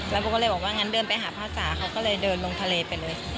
โบก็เลยบอกว่างั้นเดินไปหาภาษาเขาก็เลยเดินลงทะเลไปเลย